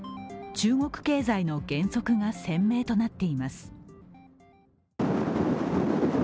中国経済の減速が鮮明となっています。